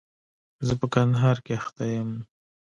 زه په کندهار کښي اخته يم.